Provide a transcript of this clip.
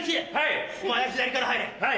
はい！